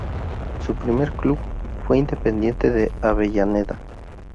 Su primer club fue Independiente de Avellaneda.